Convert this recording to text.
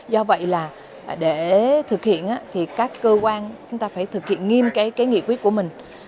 do vậy là để thực hiện thì các cơ quan chúng ta phải thực hiện nghiêm cái nghị quyết của mình